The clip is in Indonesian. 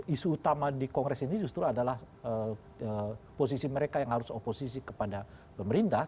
isu utama di kongres ini justru adalah posisi mereka yang harus oposisi kepada pemerintah